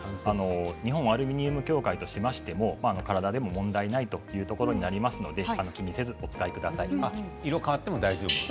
日本アルミニウム協会としましても体にも問題ないというところにありますので色変わっても大丈夫ですね。